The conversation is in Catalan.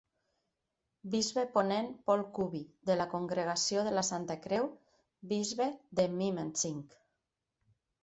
Bisbe Ponen Paul Kubi, de la Congregació de la Santa Creu, bisbe de Mymensingh.